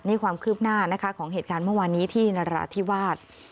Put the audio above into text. นี่ความคืบหน้าของเหตุการณ์เมื่อวานี้ที่อันรัฐที่วาด